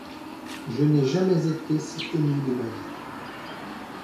Je n'ai jamais été si ému de ma vie